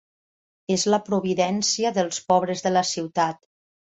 És la providència dels pobres de la ciutat.